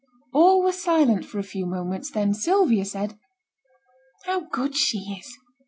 All were silent for a few moments, then Sylvia said 'How good she is!'